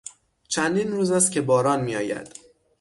چندین روز است که باران میآید.